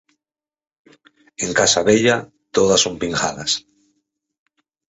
En casa vella todas son pingadas.